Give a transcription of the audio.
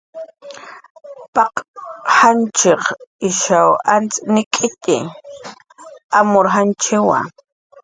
Paq janchiq ishaw antz nik'nitxi, amur putkawa